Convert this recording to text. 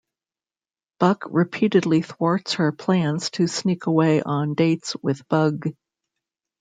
Buck repeatedly thwarts her plans to sneak away on dates with Bug.